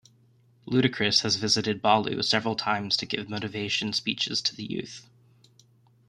Ludacris has visited Ballou several times to give motivation speeches to the youth.